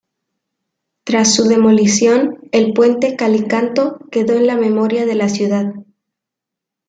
Tras su demolición, el Puente Calicanto quedó en la memoria de la ciudad.